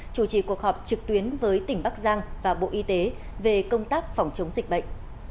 chủ trì cuộc họp trực tuyến với tỉnh bắc giang và bộ y tế về công tác phòng chống dịch bệnh